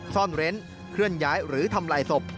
ซ่อนเร้นเคลื่อนย้ายหรือทำลายศพ